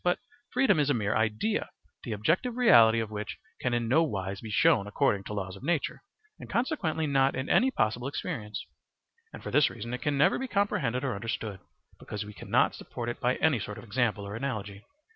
But freedom is a mere idea, the objective reality of which can in no wise be shown according to laws of nature, and consequently not in any possible experience; and for this reason it can never be comprehended or understood, because we cannot support it by any sort of example or analogy.